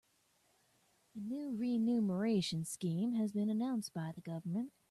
A new renumeration scheme has been announced by the government.